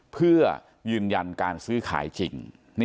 เพื่อยืนยันการซื้อขายจริง